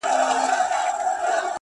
• اوس به څوك رنګونه تش كي په قلم كي,